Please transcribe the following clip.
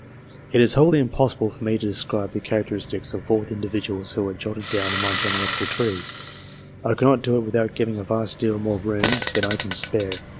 It is wholly impossible for me to describe the charac teristics of all the individuals who are jotted down in my genealogical tree. I could not do it without giving a vast deal more room than I can spare.